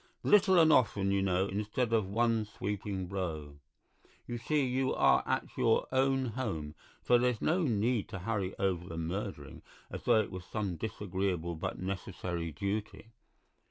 "Little and often, you know, instead of one sweeping blow. You see, you are at your own home, so there's no need to hurry over the murdering as though it were some disagreeable but necessary duty."